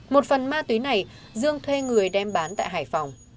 một phần ma túy này dương thuê người đem bán tại hải phòng